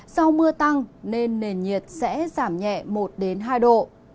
do mưa tăng nên nền nhiệt sẽ giảm nhẹ một hai độ